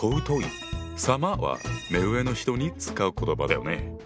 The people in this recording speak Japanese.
「様」は目上の人に使う言葉だよね。